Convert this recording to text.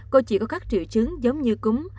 cô chỉ có các triệu chứng giống như cúng